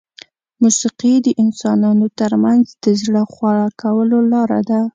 موسیقي د انسانانو ترمنځ د زړه خواله کولو لاره ده.